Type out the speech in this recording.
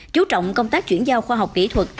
chú trọng công tác chuyển giao khoa học kỹ thuật